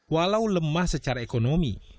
walau lemah secara ekonomi